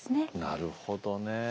なるほどね。